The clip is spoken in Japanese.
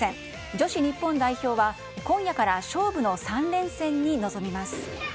女子日本代表は今夜から勝負の３連戦に臨みます。